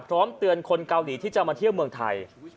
เตือนคนเกาหลีที่จะมาเที่ยวเมืองไทย